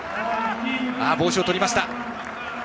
帽子を取りました。